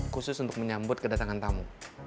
khusus untuk menyambut kedatangan tamu